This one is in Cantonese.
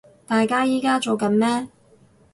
大家依家做緊咩